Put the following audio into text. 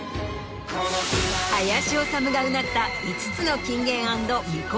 林修がうなった５つの。